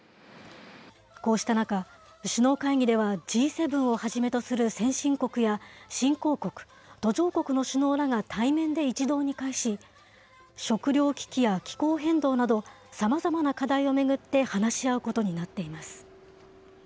こうした中、首脳会議ではＧ７をはじめとする先進国や新興国、途上国の首脳らが対面で一堂に会し、食料危機や気候変動など、さまざまな課題を巡って、話し合うことになっています。